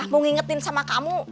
mau ingetin sama kamu